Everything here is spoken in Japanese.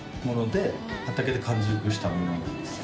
畑で完熟したものなんですよ。